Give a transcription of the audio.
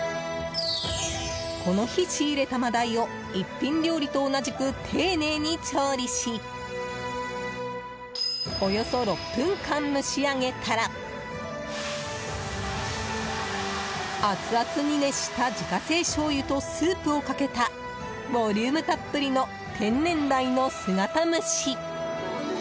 この日仕入れたマダイを一品料理と同じく丁寧に調理しおよそ６分間蒸し上げたらアツアツに熱した自家製しょうゆとスープをかけたボリュームたっぷりの天然鯛の姿蒸し。